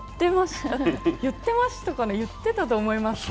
言ってましたかね、言ってたと思います。